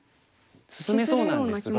進めそうなんですが。